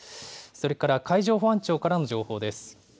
それから海上保安庁からの情報です。